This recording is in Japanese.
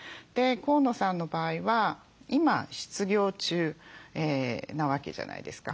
河野さんの場合は今失業中なわけじゃないですか。